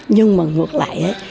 nhưng mà ngược lại ấy